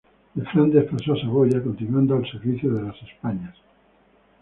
De Flandes pasó a Saboya, continuando al servicio de España.